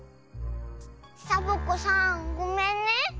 サボ子さんごめんね。